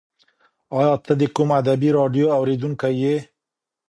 ایا ته د کوم ادبي راډیو اورېدونکی یې؟